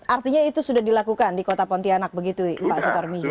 artinya itu sudah dilakukan di kota pontianak begitu pak sutar miji